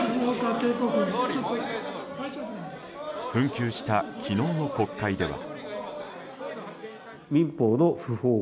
紛糾した昨日の国会では。